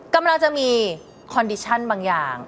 กำลังจะมีคอนดิชั่นบางอย่าง